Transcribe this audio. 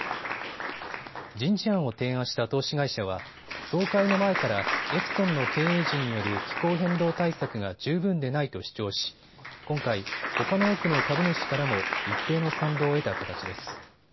人事案を提案した投資会社は総会の前からエクソンの経営陣による気候変動対策が十分でないと主張し今回、ほかの多くの株主からも一定の賛同を得た形です。